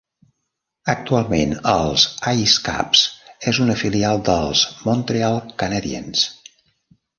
Actualment els IceCaps és una filial dels Montreal Canadiens.